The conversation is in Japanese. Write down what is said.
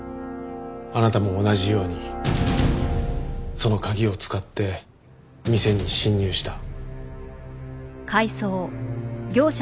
あなたも同じようにその鍵を使って店に侵入した。